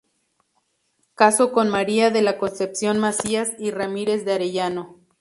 Casó con María de la Concepción Macías y Ramírez de Arellano.